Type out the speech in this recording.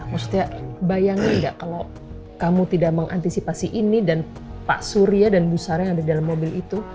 maksudnya bayangin nggak kalau kamu tidak mengantisipasi ini dan pak surya dan bu sari yang ada di dalam mobil itu